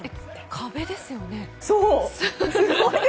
壁ですよね。